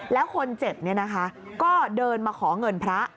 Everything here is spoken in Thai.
แล้วคนเจ็บเนี่ยนะคะก็เดินมาขอเงินพระ